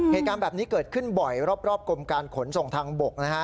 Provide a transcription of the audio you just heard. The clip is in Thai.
เหตุการณ์แบบนี้เกิดขึ้นบ่อยรอบกรมการขนส่งทางบกนะฮะ